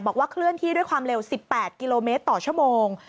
เคลื่อนที่ด้วยความเร็ว๑๘กิโลเมตรต่อชั่วโมง